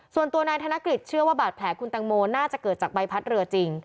ส่วนตัวนายธนกฤษเชื่อว่าบาดแผลคุณตังโมน่าจะเกิดจากใบพัดเรือจริง